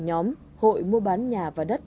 nhóm hội mua bán nhà và đất